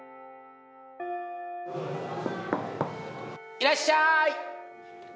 いらっしゃい！